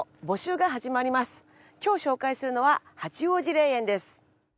今日紹介するのは八王子霊園です。